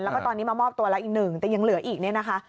แล้วก็ตอนนี้มามอบตัวแล้วอีกหนึ่งแต่ยังเหลืออีกเนี่ยนะคะ